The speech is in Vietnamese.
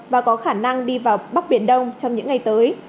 và có khả năng đi vào bắc biển đông trong những ngày tới